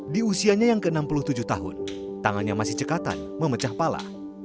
di usianya yang ke enam puluh tujuh tahun tangannya masih cekatan memecah pala